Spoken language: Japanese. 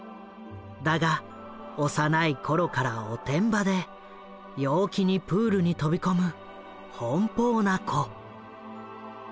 だが幼い頃からおてんばで陽気にプールに飛び込む奔放な子。